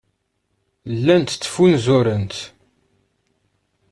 Llant ttfunzurent.